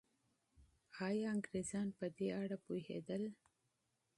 ایا انګریزان په دې اړه پوهېدل؟